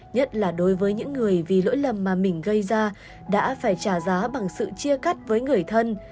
nhất là đối với những người vì lỗi lầm mà mình gây ra đã phải trả giá bằng sự chia cắt với người thân